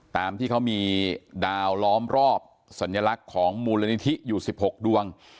ตามที่เขามีดาวล้อมรอบสัญลักษณ์ของมูลนิธิอยู่๑๖ดวง